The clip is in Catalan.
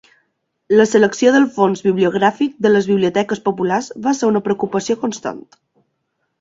La selecció del fons bibliogràfic de les biblioteques populars va ser una preocupació constant.